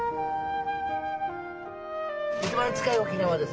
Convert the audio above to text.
一番近い沖縄です。